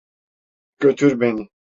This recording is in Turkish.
Götür beni.